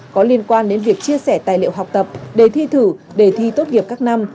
có liên quan đến việc chia sẻ tài liệu học tập đề thi thử đề thi tốt nghiệp các năm